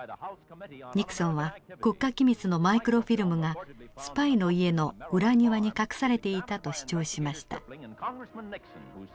ニクソンは国家機密のマイクロフィルムがスパイの家の裏庭に隠されていたと主張しました。